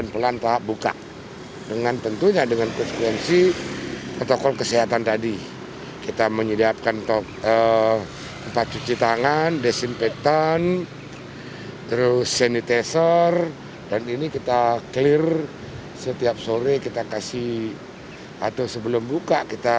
pengunjung yang masuk